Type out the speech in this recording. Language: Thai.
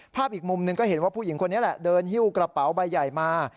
อีกมุมหนึ่งก็เห็นว่าผู้หญิงคนนี้แหละเดินหิ้วกระเป๋าใบใหญ่มา